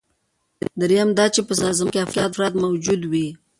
دریم دا چې په سازمان کې افراد موجود وي.